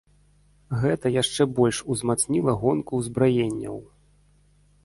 Гэта яшчэ больш узмацніла гонку ўзбраенняў.